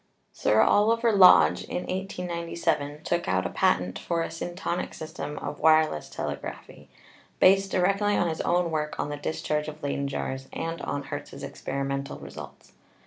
Sir Oliver Lodge, in 1897, took out a patent for a 'syntonic* system of wireless telegraphy, based directly on his own work on the discharge of Leyden jars and on Hertz's experimental results.